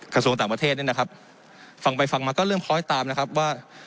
กระทรวงต่างประเทศเนี่ยนะครับฟังไปฟังมาก็เริ่มคล้อยตามนะครับว่า